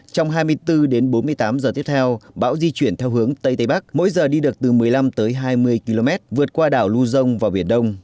trong hai mươi bốn đến bốn mươi tám giờ tiếp theo bão di chuyển theo hướng tây tây bắc mỗi giờ đi được từ một mươi năm tới hai mươi km vượt qua đảo lưu dông và biển đông